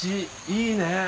いいね。